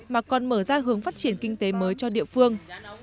mà còn mở ra hướng phát triển kinh tế mới cho địa phương